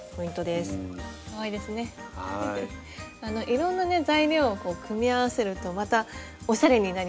いろんなね材料を組み合わるとまたおしゃれになりますね。